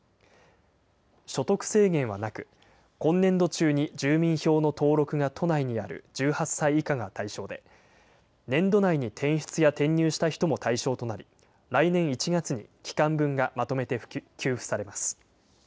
所得制限はなく、今年度中に住民票の登録が都内にある１８歳以下が対象で、年度内に転出や転入した人も対象となり、来年１月に期間分がまとめて給付されます。